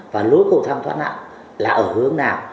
và lối cầu thang thoát nạn là ở hướng nào